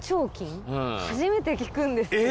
初めて聞くんですけど。